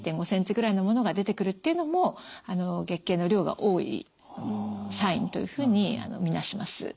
２．５センチぐらいのものが出てくるっていうのも月経の量が多いサインというふうに見なします。